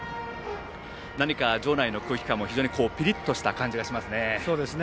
何か場内の空気感もピリッとした感じがしますね。